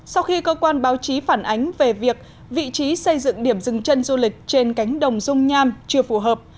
sau khi cơ quan báo chí phản ánh về việc vị trí xây dựng điểm dừng chân du lịch trên cánh đồng dung nham chưa phù hợp